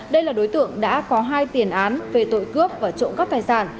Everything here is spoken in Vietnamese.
đây là đối tượng đã có hai tiền án về tội cướp và trộm cắp tài sản